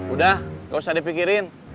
udah gak usah dipikirin